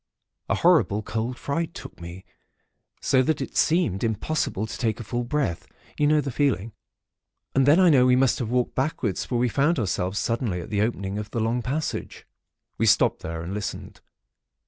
A horrible cold fright took me, so that it seemed impossible to take a full breath, you know the feeling; and then I know we must have walked backwards, for we found ourselves suddenly at the opening of the long passage. "We stopped there, and listened.